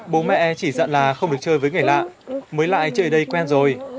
bố mẹ chỉ dặn là không được chơi với người lạ mới lại chơi ở đây quen rồi